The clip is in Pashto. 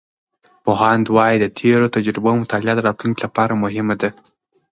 پوهاند وایي، د تیرو تجربو مطالعه د راتلونکي لپاره مهمه ده.